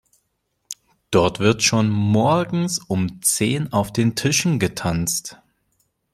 Dort wird schon morgens um zehn auf den Tischen getanzt.